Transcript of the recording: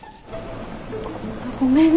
ごめんね。